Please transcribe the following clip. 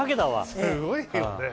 すごいよね。